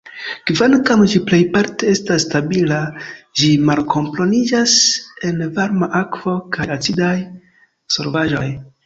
Kvankam ĝi plejparte estas stabila, ĝi malkomponiĝas en varma akvo kaj acidaj solvaĵoj.